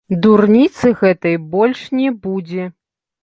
Дурніцы гэтай больш не будзе.